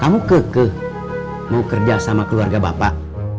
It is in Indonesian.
kamu kekeh mau kerja sama keluarga bapak